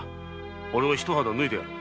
俺も一肌脱いでやろう。